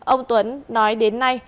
ông tuấn nói đến nay